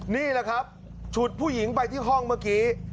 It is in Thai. นี่แหละครับฉุดผู้หญิงไปที่ห้องเมื่อกี้